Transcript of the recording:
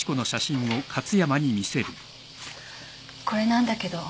これなんだけど。